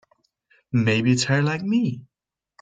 Maybe they're like me.